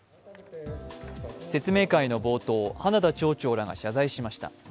説明会の冒頭、花田町長らが謝罪しました。